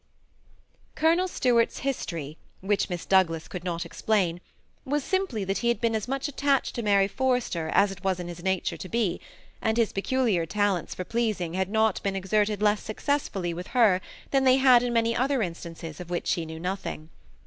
Colonel Stuart's history, which Miss Douglas could not explain, was simply that he had been as much attached to Mary Forrester as it was in his nature to be, and his peculiar talents for pleasing had not been exerted less successfully with her than they had in many other instances of which she knew nothing.